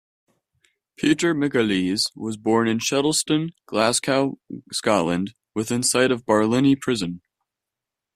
Peter McAleese was born in Shettleston, Glasgow, Scotland, within sight of Barlinnie Prison.